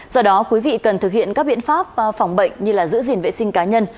do đó quý vị cần thực hiện các biện pháp phòng bệnh như giữ gìn vệ sinh cá nhân